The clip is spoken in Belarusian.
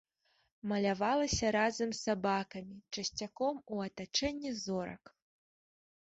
Малявалася разам з сабакамі, часцяком у атачэнні зорак.